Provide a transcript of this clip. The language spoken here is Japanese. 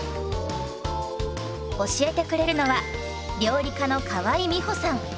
教えてくれるのは料理家の河井美歩さん。